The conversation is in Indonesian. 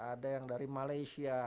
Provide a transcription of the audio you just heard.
ada yang dari malaysia